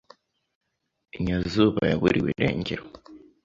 Nyazuba yaburiwe irengero.